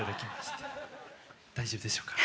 大丈夫でしょうか？